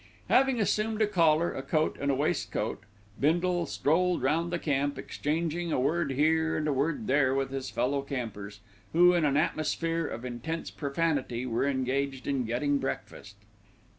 Having assumed a collar, a coat and waistcoat, Bindle strolled round the camp exchanging a word here and a word there with his fellow campers, who, in an atmosphere of intense profanity, were engaged in getting breakfast.